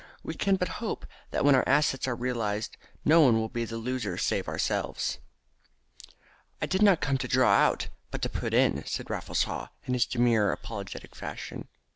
We can but hope that when our assets are realised no one will be the loser save ourselves." "I did not come to draw out, but to put in," said Raffles Haw in his demure apologetic fashion.